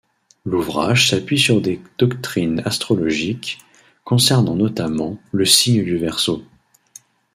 L'ouvrage s'appuie sur des doctrines astrologiques, concernant notamment le signe du Verseau.